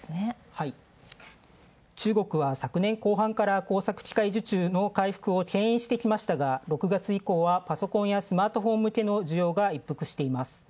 中国は昨年後半から工作機械受注の牽引してきましたが、６月以降は、パソコンやスマートフォン向けの需要が一服しています。